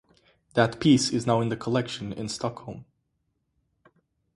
That piece is now in the collection in Stockholm.